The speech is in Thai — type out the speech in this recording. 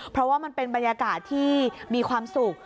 เพราะว่ามันเป็นบรรยากาศที่มีความสุข